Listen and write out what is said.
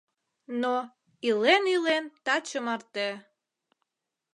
Но, илен-илен таче марте